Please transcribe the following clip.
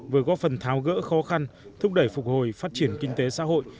vừa góp phần tháo gỡ khó khăn thúc đẩy phục hồi phát triển kinh tế xã hội